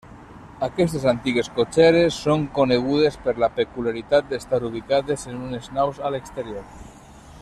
Aquestes antigues cotxeres són conegudes per la peculiaritat d'estar ubicades en unes naus a l'exterior.